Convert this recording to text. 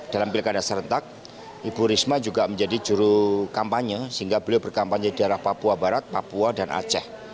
dalam pilkada serentak ibu risma juga menjadi juru kampanye sehingga beliau berkampanye di daerah papua barat papua dan aceh